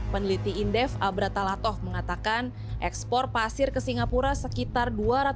peneliti indef abra talatoh mengatakan ekspor pasir ke singapura sekitar